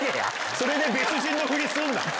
それで別人のふりすんな。